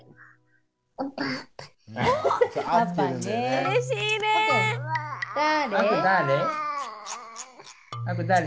うれしいね。